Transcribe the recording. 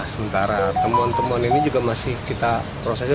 sementara temuan temuan ini juga masih kita prosesnya